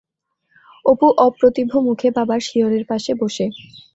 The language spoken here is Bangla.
অপু অপ্রতিভ মুখে বাবার শিয়রের পাশে বসে।